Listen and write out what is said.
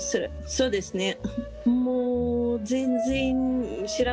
そうですね。